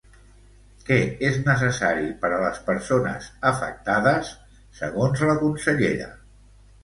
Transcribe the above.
Què és necessari per a les persones afectades, segons la consellera?